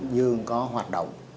dương có hoạt động